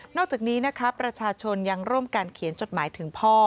อกจากนี้นะคะประชาชนยังร่วมกันเขียนจดหมายถึงพ่อ